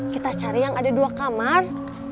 kita cari yang ada dua kamar